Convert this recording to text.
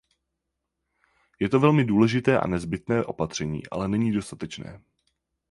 Je to velmi důležité a nezbytné opatření, ale není dostatečné.